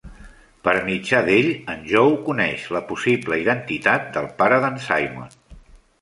Per mitjà d'ell, en Joe coneix la possible identitat del pare d'en Simon.